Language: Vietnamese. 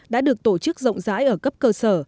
đã được tổ chức rộng rãi ở cấp cơ sở